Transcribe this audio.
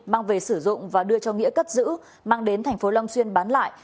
mang về sử dụng và đưa cho nghĩa cất giữ mang đến thành phố long xuyên bán lại